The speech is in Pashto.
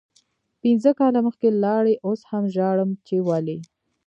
پنځه کاله مخکې لاړی اوس هم ژاړم چی ولې